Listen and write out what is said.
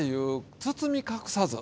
包み隠さず。